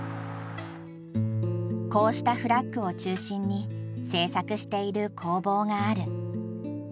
こうしたフラッグを中心に製作している工房がある。